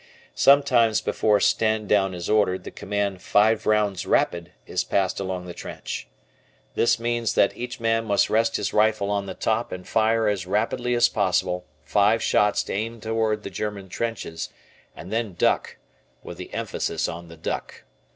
Sometimes before "stand down" is ordered, the command "five rounds rapid" is passed along the trench. This means that each man must rest his rifle on the top and fire as rapidly as possible five shots aimed toward the German trenches, and then duck (with the emphasis on the "duck").